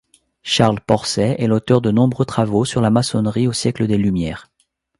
Charles Porset est l'auteur de nombreux travaux sur la maçonnerie au siècle des Lumières.